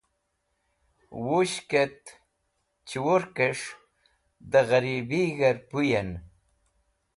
Wushkẽt chẽwurkẽs̃h dẽ qẽribig̃hẽr pũyẽn